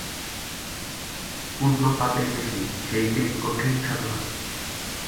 পুণ্য তাতেই বেশি, সেইটেই কঠিন সাধনা।